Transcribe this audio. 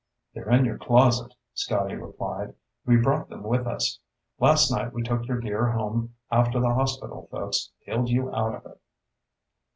"They're in your closet," Scotty replied. "We brought them with us. Last night we took your gear home after the hospital folks peeled you out of it."